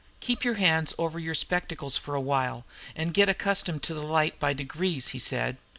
"Keep your hands over your spectacles for a while, and get accustomed to the light by degrees," he said.